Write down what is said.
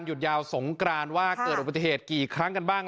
ยาวสงกรานว่าเกิดอุบัติเหตุกี่ครั้งกันบ้าง